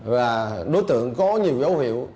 và đối tượng có nhiều dấu hiệu